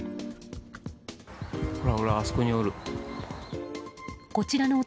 ほらほら、あそこにおる。